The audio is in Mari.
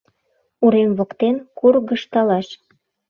Урем воктен кургыжталаш.